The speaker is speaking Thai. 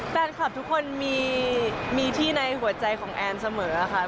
แฟนคลับทุกคนมีที่ในหัวใจของแอนเสมอหรือยังไหม